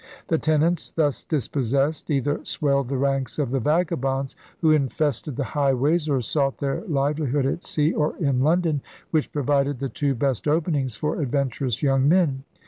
The tenants thus dispossessed either swelled the ranks of the vagabonds who infested ELIZABETHAN ENGLAND 57 the highways or sought their livehhood at sea or in London, which provided the two best openings for adventurous young men.